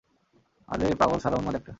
আরে পাগল শালা উন্মাদ একটা।